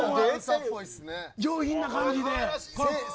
上品な感じで。